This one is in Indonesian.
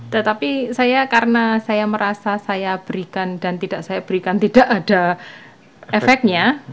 tetapi saya karena saya merasa saya berikan dan tidak saya berikan tidak ada efeknya